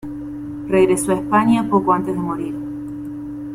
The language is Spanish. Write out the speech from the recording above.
Regresó a España poco antes de morir.